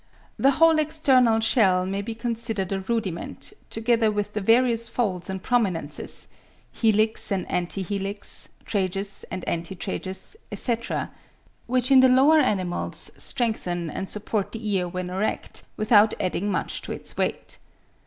The whole external shell may be considered a rudiment, together with the various folds and prominences (helix and anti helix, tragus and anti tragus, etc.) which in the lower animals strengthen and support the ear when erect, without adding much to its weight.